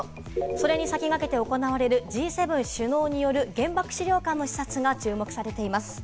それに先駆けて行われるＧ７首脳による原爆資料館の視察が注目されています。